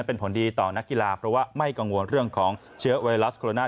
เป็นผลดีต่อนักกีฬาเพราะว่าไม่กังวลเรื่องของเชื้อไวรัสโคโรนา